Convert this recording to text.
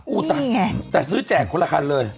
นี่ไงแต่ซื้อแจกคนละครเลย